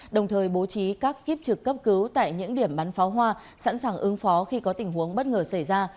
đồng thời bố trí các kiếp trực cấp cứu tại những điểm bắn pháo hoa sẵn sàng ứng phó khi có tình huống bất ngờ xảy ra